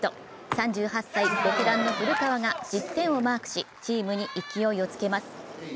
３８歳、ベテランの古川が１０点をマークしチームに勢いを付「つけます。